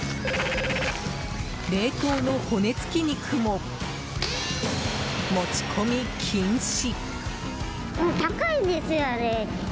冷凍の骨付き肉も、持ち込み禁止。